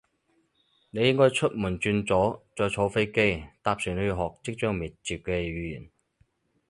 你應該出門轉左，再坐飛機，搭船去學即將滅絕嘅語言